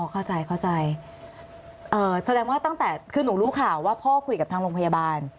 เข้าใจเข้าใจแสดงว่าตั้งแต่คือหนูรู้ข่าวว่าพ่อคุยกับทางโรงพยาบาล